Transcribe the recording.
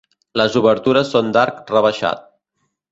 Les obertures són d’arc rebaixat.